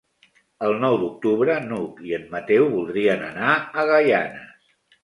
El nou d'octubre n'Hug i en Mateu voldrien anar a Gaianes.